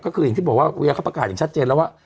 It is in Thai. ก็คืออย่างที่บอกว่าเวียเขาประกาศอย่างชัดเจนแล้วว่า